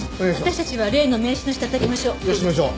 私たちは例の名刺の人当たりましょう。